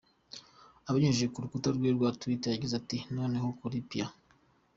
Abinyujije ku rukuta rwe rwa twitter, yagize ati : "Noneho ukuri, Pia.